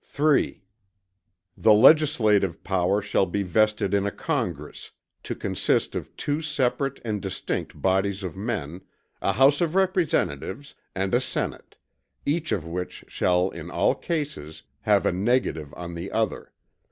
III The legislative power shall be vested in a Congress, to consist of two separate and distinct bodies of men, a House of Representatives, and a Senate; each of which shall in all cases, have a negative on the other.